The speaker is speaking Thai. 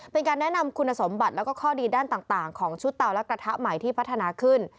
เป็นการแนะนำคุณสมบัติแล้วก็ข้อดีด้านต่างของชุดเตาและกระทะใหม่ที่พัฒนาขึ้น